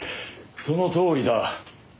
そのとおりだ。